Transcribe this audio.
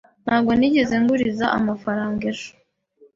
Ntabwo nigeze nguriza amafaranga ejo?